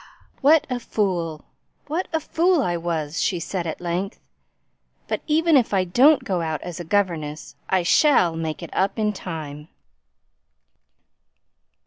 "What a fool! what a fool I was!" said she, at length. "But even if I don't go out as a governess, I shall make it up in time."